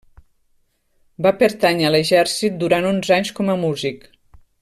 Va pertànyer a l'exèrcit durant onze anys com a músic.